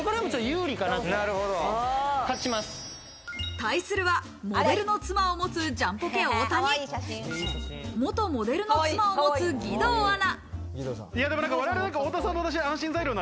対するはモデルの妻を持つジャンポケ・太田に元モデルの妻を持つ義堂アナ。